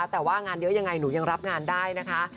แต่ว่างานเยอะยังไงหนูยังรับงานได้นะคะ